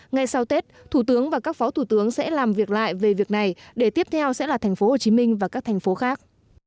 ngay sau tết thủ tướng và các phó thủ tướng sẽ làm việc lại về việc này để tiếp theo sẽ là thành phố hồ chí minh và các thành phố khác